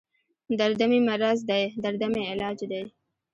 دردمې مرض دی دردمې علاج دی